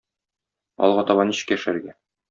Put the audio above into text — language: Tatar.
Алга таба ничек яшәргә?